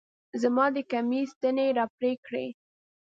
زما د کميس تڼۍ يې راپرې کړې